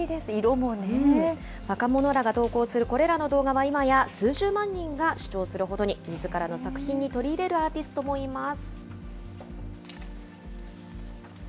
若者らが投稿するこれらの動画は、今や数十万人が視聴するほどに。みずからの作品に取り入れるアーティストもいます。